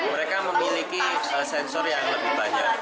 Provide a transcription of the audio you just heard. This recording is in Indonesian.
mereka memiliki sensor yang lebih banyak